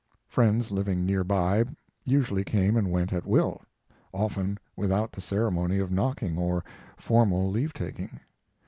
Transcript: Friends living near by usually came and went at will, often without the ceremony of knocking or formal leave taking.